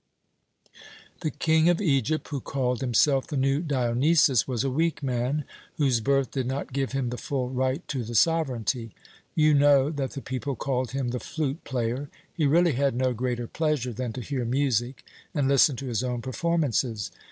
"The King of Egypt, who called himself 'the new Dionysus,' was a weak man, whose birth did not give him the full right to the sovereignty. You know that the people called him the 'fluteplayer.' He really had no greater pleasure than to hear music and listen to his own performances.